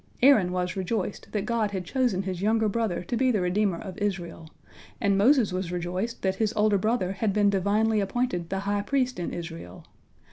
Aaron was rejoiced that God had chosen his younger brother to be the redeemer of Israel, and Moses was rejoiced that his older brother had been divinely appointed the high priest in Israel.